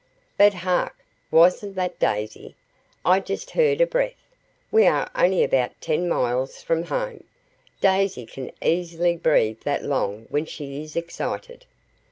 But hark! Wasn't that Daisy? I just heard a breath. We are only about ten miles from home Daisy can easily breathe that long when she is excited.